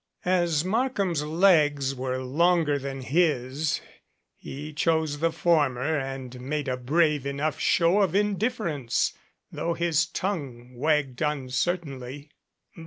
As Markham's legs were longer than his, he chose the former and made a brave enough show of indifference, though his tongue wagged uncer tainly.